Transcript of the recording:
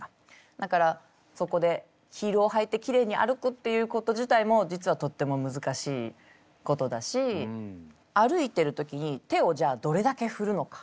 だからそこでヒールを履いてきれいに歩くっていうこと自体も実はとってもむずかしいことだし歩いている時に手をじゃあどれだけ振るのか。